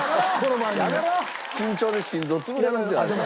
緊張で心臓潰れますよ。